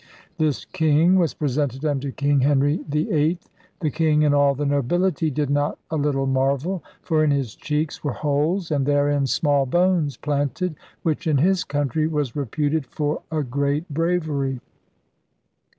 This kinge was presented unto King Henry 8. The King and all the Nobilitie did not a little marvel; for in his cheeks were holes, and therein small bones planted, which in his Countrey was reputed for a great braverie.'